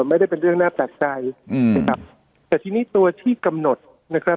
ไม่ได้เป็นเรื่องน่าแปลกใจอืมนะครับแต่ทีนี้ตัวที่กำหนดนะครับ